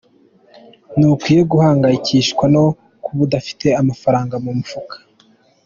Ntukwiye guhangayikishwa no kuba udafite amafaranga mu mufuka.